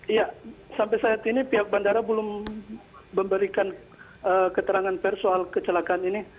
iya sampai saat ini pihak bandara belum memberikan keterangan pers soal kecelakaan ini